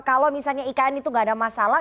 kalau misalnya ikn itu nggak ada masalah